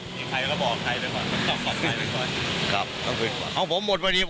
ถ้ามีใครก็บอกใครด้วยก่อนต้องบอกใครด้วยก่อน